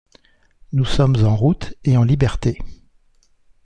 Nous sommes en route, et en liberté.